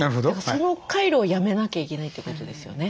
その回路をやめなきゃいけないってことですよね？